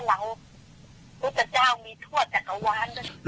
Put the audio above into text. เราพุทธเจ้ามีทั่วจักรวาล